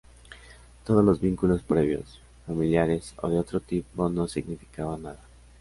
Todos los vínculos previos, familiares o de otro tipo, no significaban nada.